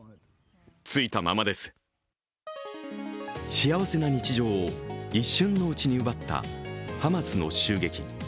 幸せな日常を一瞬のうちに奪ったハマスの襲撃。